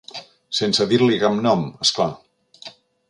Sense dir-li cap nom, esclar.